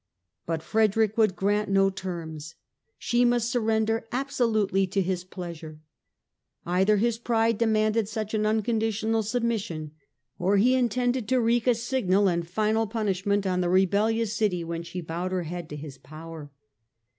But Frederick would grant no terms : she must surrender absolutely to his pleasure. Either his pride demanded such an unconditional submission or he intended to wreak a signal and final punishment on the rebellious city when she bowed her head to his power.